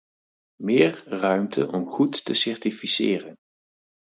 Meer ruimte om goed te certificeren.